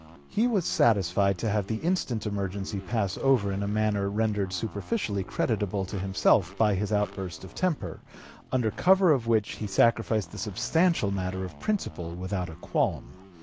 He was satisfied to have the instant emergency pass over in a manner rendered superficially creditable to himself by his outburst of temper, under cover of which he sacrificed the substantial matter of principle without a qualm.